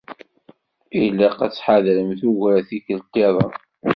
Ilaq ad tḥadremt ugar tikelt-iḍen.